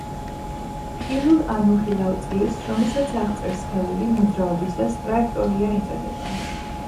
ხილულ ან უხილავ წირს, რომელსაც აღწერს სხეული მოძრაობისას, ტრაექტორია ეწოდება.